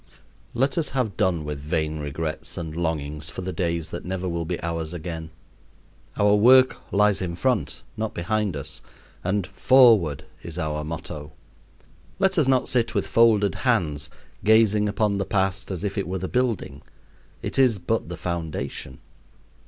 Let us have done with vain regrets and longings for the days that never will be ours again. Our work lies in front, not behind us; and "Forward!" is our motto. Let us not sit with folded hands, gazing upon the past as if it were the building; it is but the foundation.